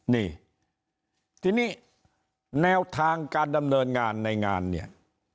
นี่ทีนี้แนวทางการดำเนินงานในงานเนี่ย